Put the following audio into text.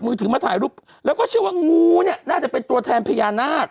ถือมาถ่ายรูปแล้วก็เชื่อว่างูเนี่ยน่าจะเป็นตัวแทนพญานาค